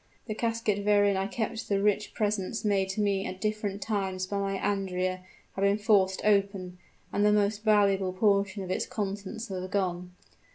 The casket wherein I kept the rich presents made to me at different times by my Andrea had been forced open and the most valuable portion of its contents were gone.